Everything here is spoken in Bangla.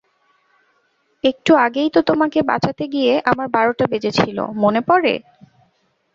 একটু আগেই তোমাকে বাঁচাতে গিয়ে আমার বারোটা বেজেছিল, মনে পড়ে?